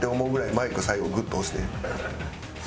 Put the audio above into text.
マイク最後グッと押して。